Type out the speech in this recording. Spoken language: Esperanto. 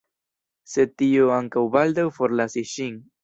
Sed tiu ankaŭ baldaŭ forlasis ŝin.